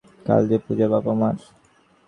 কাল যে পূজা বাপ আমার!